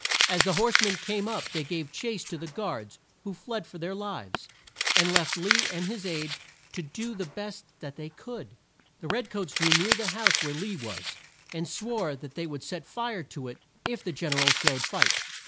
As the horse men came up they gave chase to the guards who fled for their lives, and left Lee and his aide to do the best that they could. The red coats drew near the house where Lee was, and swore that they would set fire to it if the Gen er al showed fight.